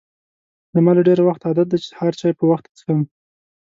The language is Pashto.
زما له ډېر وخته عادت دی چې سهار چای په وخته څښم.